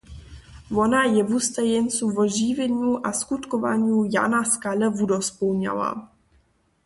Wona je wustajeńcu wo žiwjenju a skutkowanju Jana Skale wudospołnjała.